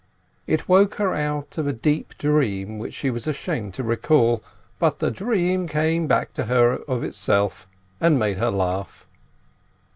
It woke her out of a deep dream which she was ashamed to recall, but the dream came back to her of itself, and made her laugh.